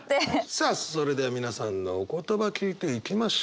さあそれでは皆さんのお言葉聞いていきましょう。